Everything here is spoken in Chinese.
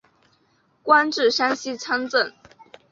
官至山西参政。